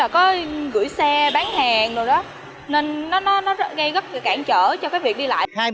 có gửi xe bán hàng nên nó gây rất là cản trở cho việc đi lại